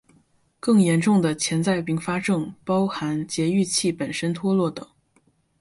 更严重的潜在并发症包含节育器本身脱落等。